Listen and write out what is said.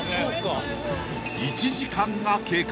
［１時間が経過。